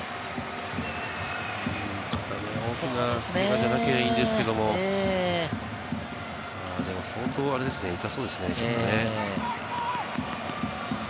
肩ね、大きなけがじゃないといいんですけれども、相当痛そうですね。